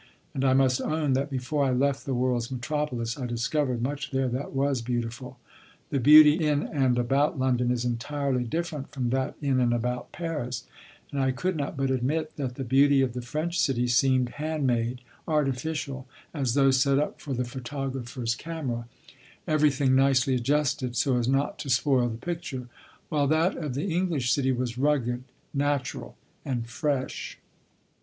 And I must own that before I left the world's metropolis I discovered much there that was beautiful. The beauty in and about London is entirely different from that in and about Paris; and I could not but admit that the beauty of the French city seemed hand made, artificial, as though set up for the photographer's camera, everything nicely adjusted so as not to spoil the picture; while that of the English city was rugged, natural, and fresh.